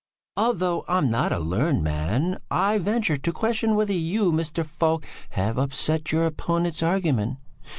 "Although I'm not a learned man, I venture to question whether you, Mr. Falk, have upset your opponent's argument?